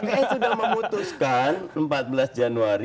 pks sudah memutuskan empat belas januari dua ribu sembilan belas